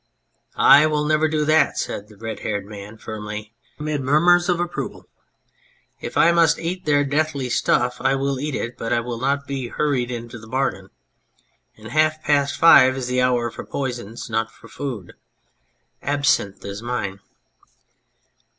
" I will never do that !" said the red headed man firmly, amid murmurs of approval. " If I must eat their deathly stuff I will eat it, but I will not be hurried into the bargain ; and half past five is the hour for poisons, not for food. Absinthe is mine."